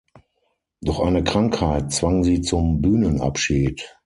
Doch eine Krankheit zwang sie zum Bühnenabschied.